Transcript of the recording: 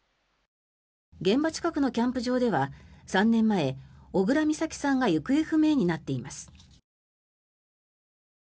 現場近くのキャンプ場では３年前小倉美咲さんが行方不明になっています。